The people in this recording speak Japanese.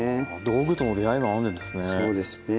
道具との出会いがあるんですね。